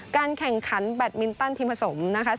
การแข่งขันแบตมินตันทีมผสมนะคะ